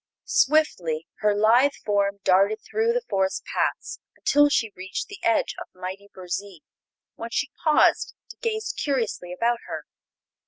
Swiftly her lithe form darted through the forest paths until she reached the edge of mighty Burzee, when she paused to gaze curiously about her.